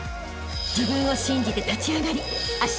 ［自分を信じて立ち上がりあしたへ